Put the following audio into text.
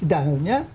datang lagi dahunya